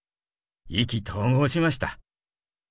意気投合しました」。